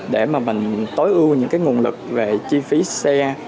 để mà mình tối ưu những cái nguồn lực về chi phí xe